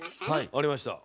ありました。